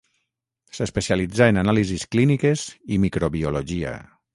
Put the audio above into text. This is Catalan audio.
S'especialitzà en anàlisis clíniques i microbiologia.